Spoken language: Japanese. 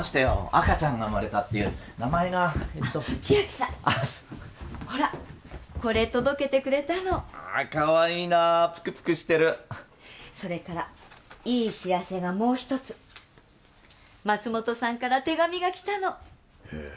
赤ちゃんが生まれたっていう名前がえっと千秋さんほらこれ届けてくれたのあかわいいなぷくぷくしてるそれからいい知らせがもう一つ松本さんから手紙が来たのへえ